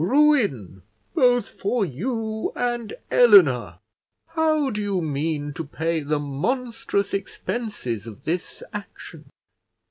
"Ruin both for you and Eleanor. How do you mean to pay the monstrous expenses of this action?"